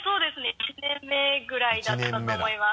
１年目ぐらいだったと思います。